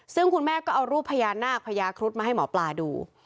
ซึ่งคุณแม่ก็เอารูปพญานาคพญาครุฑมาให้หมอปลาดู